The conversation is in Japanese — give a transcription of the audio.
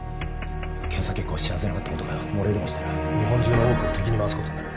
検査結果を知らせなかった事が漏れでもしたら日本中の大奥を敵に回す事になる。